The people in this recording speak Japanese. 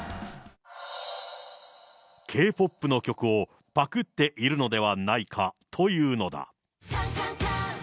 Ｋ−ＰＯＰの曲をパクっているのではないかというのだ。